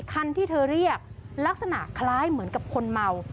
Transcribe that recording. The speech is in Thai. คันที่เธอเรียกลักษณะคล้ายเหมือนกับคนเมา